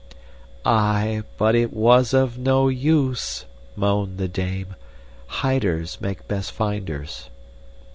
"Aye, but it was of no use," moaned the dame. "'HIDERS make best finders.